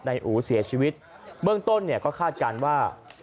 อู๋เสียชีวิตเบื้องต้นเนี่ยก็คาดการณ์ว่า